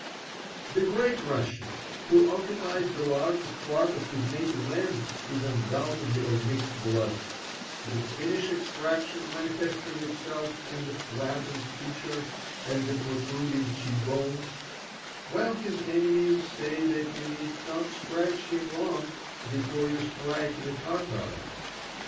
The Great Russian, who occupies the largest part of his native land, is undoubtedly of mixed blood, the Finnish extraction manifesting itself in the flattened features and the protruding cheek bones; while his enemies say that you need not scratch him long before you strike the Tartar.